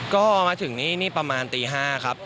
ก็มาถึงนี่ประมาณตี๕ครับ